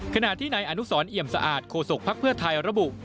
ขณะที่นายอนุสรเอี่ยมสะอาดโฆษกภักดิ์เพื่อไทยระบุ